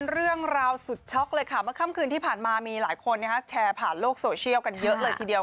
เรื่องราวสุดช็อกเลยค่ะเมื่อค่ำคืนที่ผ่านมามีหลายคนแชร์ผ่านโลกโซเชียลกันเยอะเลยทีเดียว